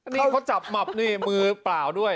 นี่เขาจับหมับนี่มือเปล่าด้วย